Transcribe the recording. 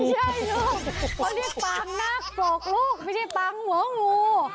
ใช่ลูกเขาเรียกปางหน้ากรอกลูกไม่ใช่ปางเหวงู